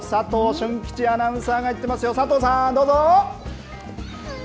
俊吉アナウンサーが行ってますよ、佐藤さん、どうぞ。